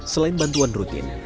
selain bantuan rutin